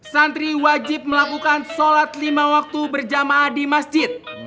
santri wajib melakukan sholat lima waktu berjamaah di masjid